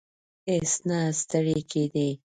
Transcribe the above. هیڅ نه ستړی کېدی.